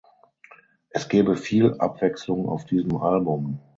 Es gebe viel Abwechslung auf diesem Album.